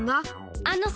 あのさ